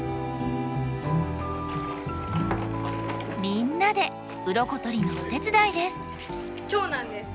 みんなでウロコ取りのお手伝いです。